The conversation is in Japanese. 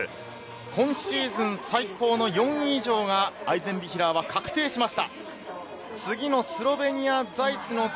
今シーズン最高の４位以上がアイゼンビヒラーは確定しました。